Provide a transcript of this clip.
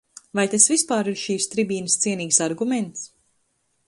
Vai tas vispār ir šīs tribīnes cienīgs arguments?